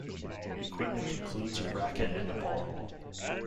Equipment includes a racquet and a ball.